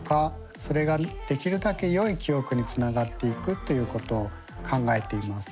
それができるだけよい記憶につながっていくということを考えています。